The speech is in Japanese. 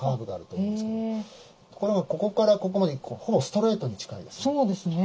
ところがここからここまでほぼストレートに近いですね。